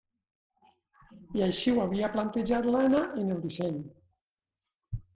I així ho havia plantejat l'Anna en el disseny.